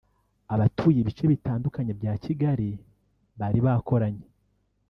abatuye ibice bitandukanye bya Kigali bari bakoranye